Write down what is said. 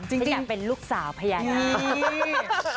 กูอยากเป็นลูกสาวพยายาม